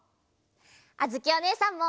あづきおねえさんも。